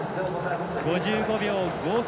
５５秒５９。